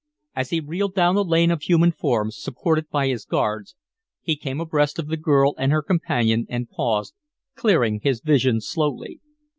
As he reeled down the lane of human forms, supported by his guards, he came abreast of the girl and her companion and paused, clearing his vision slowly.